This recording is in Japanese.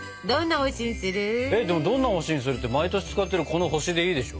えっどんな星にするって毎年使ってるこの星でいいでしょ？